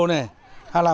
hay là một số